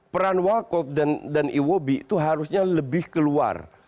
peran walcott dan iwobi itu harusnya lebih keluar